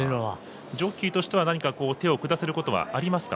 ジョッキーとしては何か手を下せることはありますか？